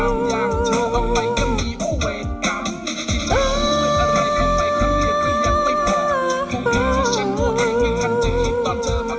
มันก็เรื่องเดิมเดิมที่เธอก็ทำให้เจ็บให้ช้ำ